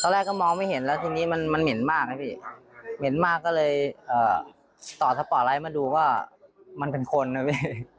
แรกก็มองไม่เห็นแล้วทีนี้มันเหม็นมากนะพี่เหม็นมากก็เลยต่อสปอร์ตไลท์มาดูว่ามันเป็นคนนะพี่